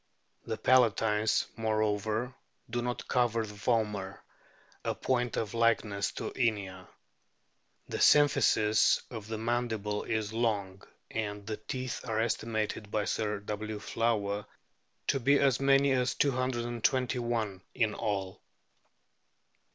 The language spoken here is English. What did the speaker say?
O The palatines, moreover, do not cover the vomer, a point of likeness to Inia. The symphysis of the mandible is long, and the teeth are estimated by Sir W. Flower to be as many as 221 in all.